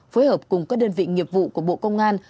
phối hợp cùng các đơn vị nghiệp vụ của bộ công an